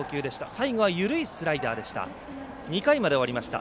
最後は緩いスライダーでした。